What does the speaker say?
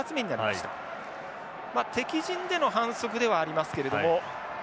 まあ敵陣での反則ではありますけれども。